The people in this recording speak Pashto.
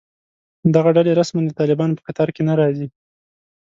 دغه ډلې رسماً د طالبانو په کتار کې نه راځي